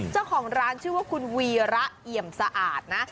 เจ้าของร้านชื่อว่าคุณวีระเอี่ยมสะอาดนะ